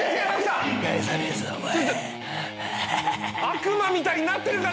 悪魔みたいになってるから！